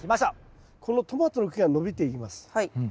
このトマトの木が伸びていきます。